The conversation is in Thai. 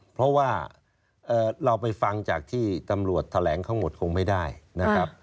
เพราะว่าเราไปฟังจากที่ตำรวจแถลงทั้งหมดคงไม่ได้นะครับ